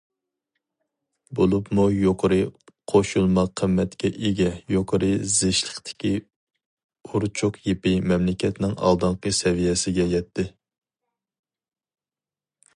بولۇپمۇ يۇقىرى قوشۇلما قىممەتكە ئىگە يۇقىرى زىچلىقتىكى ئۇرچۇق يىپى مەملىكەتنىڭ ئالدىنقى سەۋىيەسىگە يەتتى.